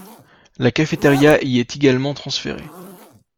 La cafétéria est y également transférée.